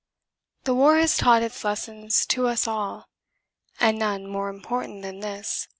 The war has taught its lessons to us all, and none more important than this.